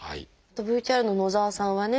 ＶＴＲの野澤さんはね